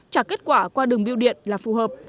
trả kết quả qua đường biêu điện là phù hợp